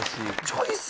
チョイス。